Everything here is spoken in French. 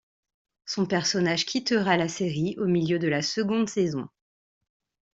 Son personnage quittera la série au milieu de la seconde saison.